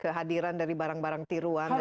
kehadiran dari barang barang tiruan